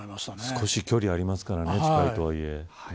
少し距離がありましたからね近いとはいえ。